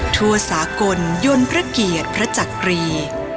ทั่วสากลยนต์พระเกียรติพระจักรี